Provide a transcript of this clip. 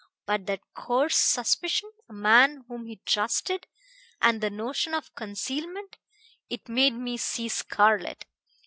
But that coarse suspicion ... a man whom he trusted ... and the notion of concealment. It made me see scarlet.